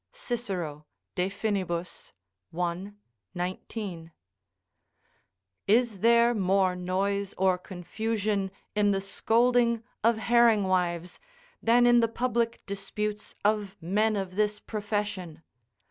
Cicero, De Fin., i. 19.] Is there more noise or confusion in the scolding of herring wives than in the public disputes of men of this profession?